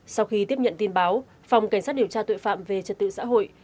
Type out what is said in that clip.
sau khi tiếp nhận tin báo phòng cảnh sát điều tra tội phạm về trật tự xã hội